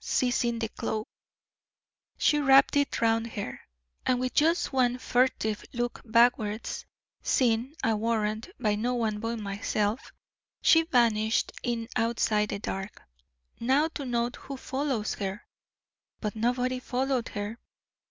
Seizing the cloak, she wrapped it round her, and with just one furtive look backwards, seen, I warrant, by no one but myself, she vanished in the outside dark. 'Now to note who follows her!' But nobody followed her.